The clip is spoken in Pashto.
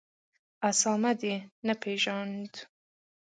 اسامه دي نه پېژاند